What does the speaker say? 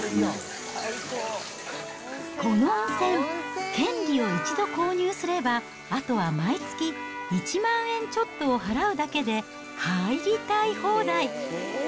この温泉、権利を一度購入すれば、あとは毎月１万円ちょっとを払うだけで入りたい放題。